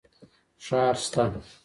ښار سته.